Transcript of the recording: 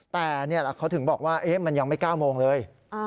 แต่เขาถึงบอกว่ามันยังไม่๙โมงเลย